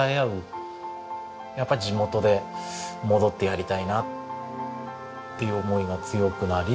やっぱり地元で戻ってやりたいなっていう思いが強くなり。